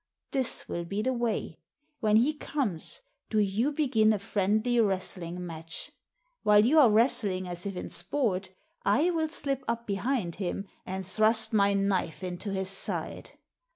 This will be the way. When he comes, do you begin a friendly wrestling match. While you are wrestling as if in sport, I will slip up behind him and thrust my tift {paxhoMx'B Zcxit III knife into his side.